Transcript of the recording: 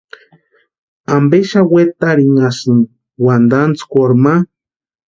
¿Ampe xani wantaxeranhaxasïni wantantskwarhu ma?